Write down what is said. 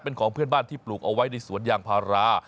เป็นของเพื่อนบ้านที่ปลูกเอาไว้ในสวนยางพารา